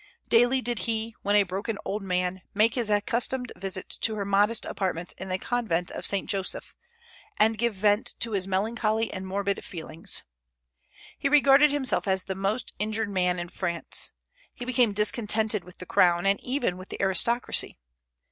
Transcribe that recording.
Daily did he, when a broken old man, make his accustomed visit to her modest apartments in the Convent of St. Joseph, and give vent to his melancholy and morbid feelings. He regarded himself as the most injured man in France. He became discontented with the Crown, and even with the aristocracy.